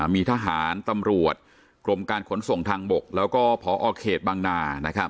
มีทหารตำรวจกรมการขนส่งทางบกแล้วก็พอเขตบางนา